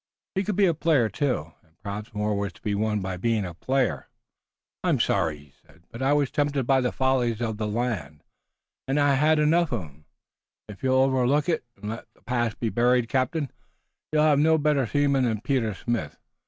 He could be a player too, and perhaps more was to be won by being a player. "I'm sorry," he said, "but I was tempted by the follies of the land, and I've had enough of 'em. If you'll overlook it and let the past be buried, captain, you'll have no better seaman than Peter Smith.